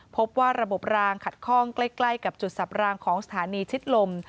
พบว่าระบบรางขัดข้องใกล้กับจุดสับรางของสถานีชิดลม